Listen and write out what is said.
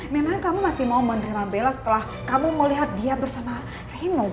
memang kamu masih mau menerima bella setelah kamu mau lihat dia bersama reno